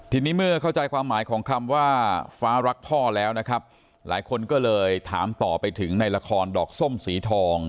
ทีนี้เมื่อเข้าใจความหมายของคำว่าฟ้ารักพ่อแล้วนะครับหลายคนก็เลยถามต่อไปถึงในละครดอกส้มสีทอง